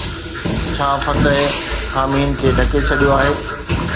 ڇا فتح خامين کي ڍڪي ڇڏيو آهي؟